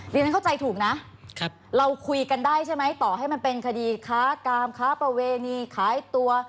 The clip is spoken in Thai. เรียนเข้าใจถูกนะเราคุยกันได้ใช่ไหมต่อให้มันเป็นคดีค้ากามค้าประเวณีขายตัว